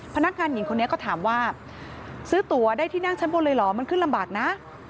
พนักงานหญิงคนนี้ก็ถามว่าซื้อตัวได้ที่นั่งชั้นบนเลยเหรอมันขึ้นลำบากนะ